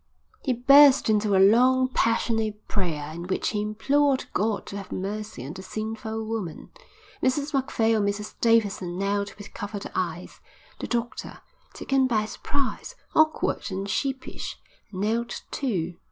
He burst into a long, passionate prayer in which he implored God to have mercy on the sinful woman. Mrs Macphail and Mrs Davidson knelt with covered eyes. The doctor, taken by surprise, awkward and sheepish, knelt too.